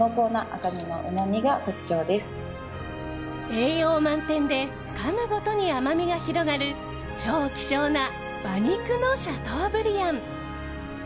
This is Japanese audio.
栄養満点でかむごとに甘みが広がる超希少な馬肉のシャトーブリアン。